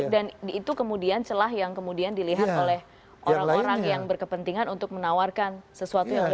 dan itu kemudian celah yang kemudian dilihat oleh orang orang yang berkepentingan untuk menawarkan sesuatu yang lebih